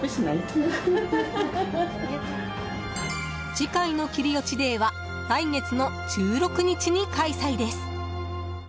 次回の切り落ちデーは来月の１６日に開催です。